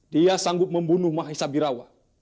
dia sanggup membunuh mahesa birawa